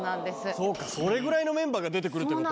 そうか、それぐらいのメンバーが出てくるってこと？